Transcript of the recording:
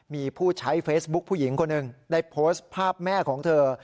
มีผู้ใช้เฟซบุ๊คผู้หญิงคนหนึ่งได้โพสต์ภาพแม่ของเธอ